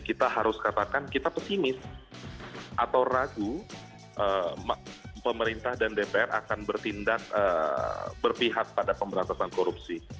kita harus katakan kita pesimis atau ragu pemerintah dan dpr akan bertindak berpihak pada pemberantasan korupsi